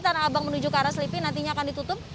tanah abang menuju ke arah selipi nantinya akan ditutup